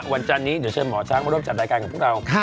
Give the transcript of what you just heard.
จันนี้เดี๋ยวเชิญหมอช้างมาร่วมจัดรายการกับพวกเรา